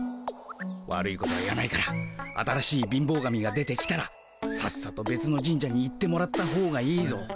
悪いことは言わないから新しい貧乏神が出てきたらさっさとべつの神社に行ってもらったほうがいいぞ。